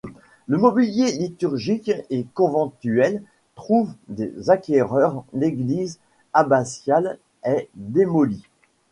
Le mobilier liturgique et conventuel trouve des acquéreurs, l'église abbatiale est démolie.